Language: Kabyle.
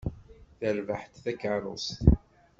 Terbeḥ-d takeṛṛust.